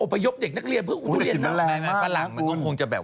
เพราะเราไม่คุ้นชินกับ